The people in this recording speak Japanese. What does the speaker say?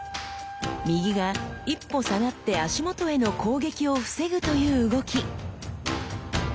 右が一歩下がって足元への攻撃を防ぐという動き。